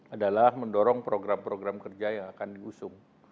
adalah mendorong program program kerja yang akan diusung